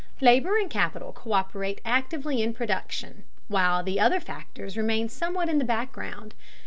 Labor and capital co÷perate actively in production, while the other factors remain somewhat in the background.